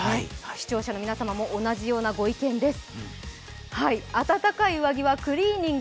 視聴者の皆様も同じようなご意見です。